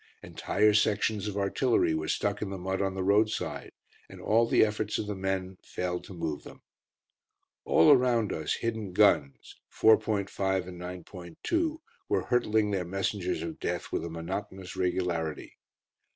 Entire sections of artillery were stuck in the mud on the roadside, and all the efforts of the men failed to move them. All around us hidden guns, 4.5 and 9.2, were hurtling their messengers of death with a monotonous regularity.